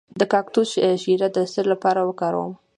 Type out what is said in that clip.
د کاکتوس شیره د څه لپاره وکاروم؟